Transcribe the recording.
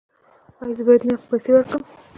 ایا زه باید نغدې پیسې ورکړم؟